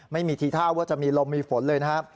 ไม่มีทีท่าว่าจะมีลมมีฝนเลยนะครับ